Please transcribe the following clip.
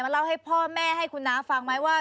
เล่าให้พ่อแม่ให้คุณน้าฟังไหมว่า